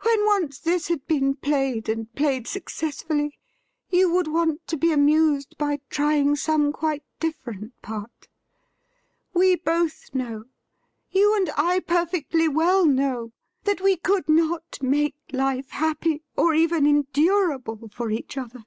When once this had been played, and played successfully, you would want to be amused by trying some quite different part. We both know — ^you and I perfectly well know — that we could not make life happy, or even endurable, for each other.